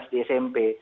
empat belas di smp